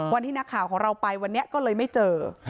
วันที่นักข่าวของเราไปวันนี้ก็เลยไม่เจอ